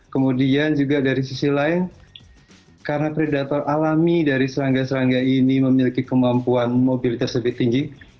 kemudian juga dari sisi lain karena predator alami dari serangga serangga ini memiliki kemampuan mobilitas lebih tinggi